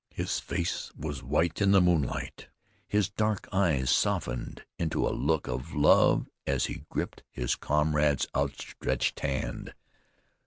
His face was white in the moonlight; his dark eyes softened into a look of love as he gripped his comrade's outstretched hand.